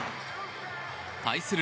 対する